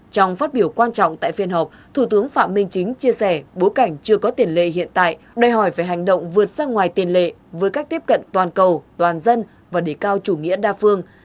trong phát biểu quan trọng tại phiên họp thủ tướng phạm minh chính chia sẻ bối cảnh chưa có tiền lệ hiện tại đòi hỏi phải hành động vượt ra ngoài tiền lệ với cách tiếp cận toàn cầu toàn dân và đề cao chủ nghĩa đa phương